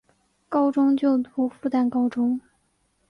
高中就读复旦高中。